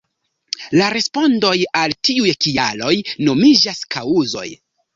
La respondoj al tiuj kialoj nomiĝas “kaŭzoj”.